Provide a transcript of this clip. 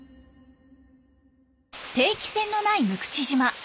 定期船のない六口島。